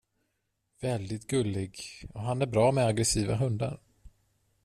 Väldigt gullig och han är bra med aggressiva hundar.